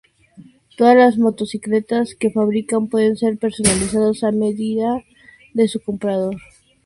Todas las motocicletas que fabrican pueden ser personalizadas a medida para su comprador.